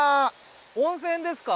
温泉ですか？